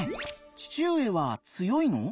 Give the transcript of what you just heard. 父上は強いの？